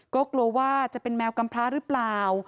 ก็กลัวว่าจะเป็นแมวกำพระหรือเปล่า